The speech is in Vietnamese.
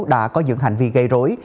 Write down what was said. đã có dựng hành vi gây rối